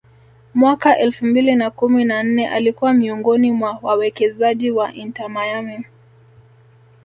mwaka elfu mbili na kumi na nne alikuwa miongoni mwa wawekezaji wa Inter Miami